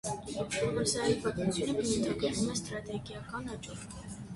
Համալսարանի պատմությունը բնութագրվում է ստրատեգիական աճով։